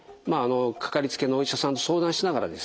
かかりつけのお医者さんと相談しながらですね